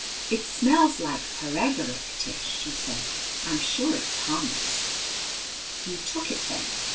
"It smells like paregoric, Tish," she said. "I'm sure it's harmless." We took it then.